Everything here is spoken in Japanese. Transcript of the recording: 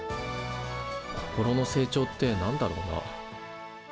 心の成長って何だろうな？